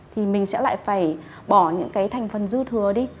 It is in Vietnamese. thì mình sẽ lại phải bỏ những cái thành phần dư thừa đi